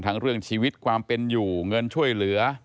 เรื่องชีวิตความเป็นอยู่เงินช่วยเหลือ